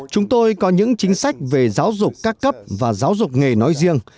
chúng tôi có những chính sách về giáo dục các cấp và giáo dục nghề nói riêng